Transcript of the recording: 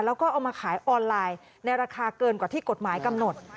แล้วก็เอามาขายออนไลน์ในราคาเกินกว่าที่กฎหมายกำหนด